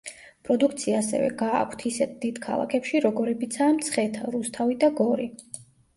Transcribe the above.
პროდუქცია ასევე გააქვთ ისეთ დიდ ქალაქებში, როგორებიცაა მცხეთა, რუსთავი და გორი.